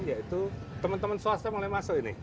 yaitu teman teman swasta mulai masuk ini